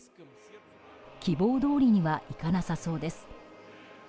希望どおりにはいかなさそうです。